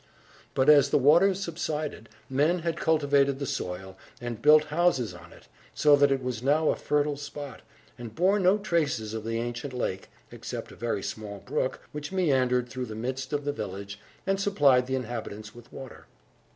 But, as the waters subsided, men had cultivated the soil, and built houses on it, so that it was now a fertile spot, and bore no traces of the ancient lake, except a very small brook, which meandered through the midst of the village, and supplied the inhabitants with water.